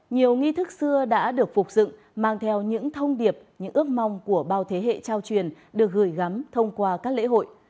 nhiều nghi thức xưa đã được phục dựng mang theo những thông điệp những ước mong của bao thế hệ trao truyền được gửi gắm thông qua các lễ hội